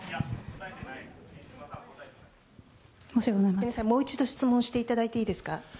すみません、もう一度質問していただいていいですか。